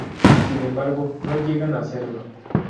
Sin embargo, no llegan a hacerlo.